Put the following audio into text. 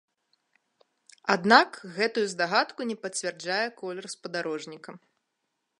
Аднак, гэтую здагадку не пацвярджае колер спадарожніка.